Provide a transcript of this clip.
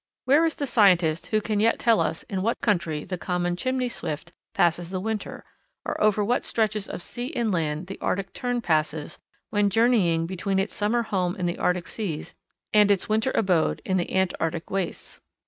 Where is the scientist who can yet tell us in what country the common Chimney Swift passes the winter, or over what stretches of sea and land the Arctic Tern passes when journeying between its summer home in the Arctic seas and its winter abode in the Antarctic wastes?